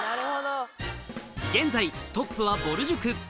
現在トップはぼる塾